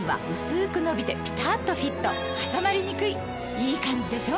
いいカンジでしょ？